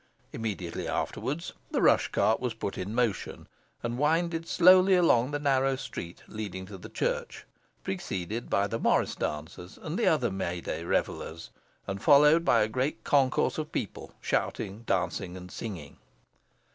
Immediately afterwards, the rush cart was put in motion, and winded slowly along the narrow street leading to the church, preceded by the morris dancers and the other May day revellers, and followed by a great concourse of people, shouting, dancing, and singing.